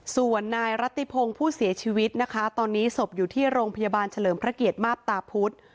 ส่วนนายรัติพงศ์ผู้เสียชีวิตนะคะตอนนี้ศพอยู่ที่โรงพยาบาลเฉลิมพระเกียรติมาบตาพุธ